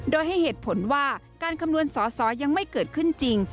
โดยให้เหตุผลว่าการคำนวณสอสอยังไม่เกิดขึ้นจริง